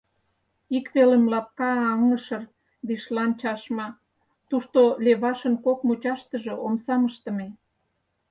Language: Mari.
Ик велым лапка, аҥышыр, вишлан чашма: тушто, левашын кок мучаштыже, омсам ыштыме.